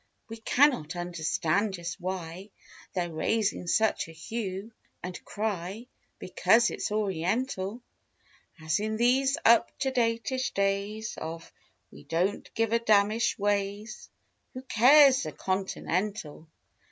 We cannot understand just why They're raising such a hue and cry Because it's Oriental; As in these up to datish days Of we don't give a damish ways— Who cares a continental?